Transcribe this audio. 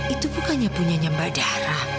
itu bukannya punya mbak dara